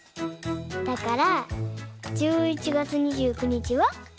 だから１１月２９日は？